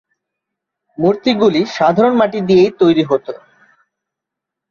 মূর্তিগুলি সাধারণত মাটি দিয়েই তৈরি হত।